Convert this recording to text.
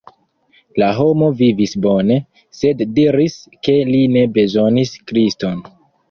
La homo vivis bone, sed diris ke li ne bezonis Kriston.